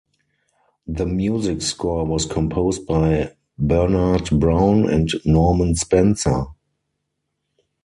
The music score was composed by Bernard Brown and Norman Spencer.